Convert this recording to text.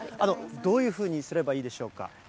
どういうふうにすればいいでしょ